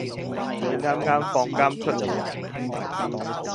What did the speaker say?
你啱啱放監出嚟呀？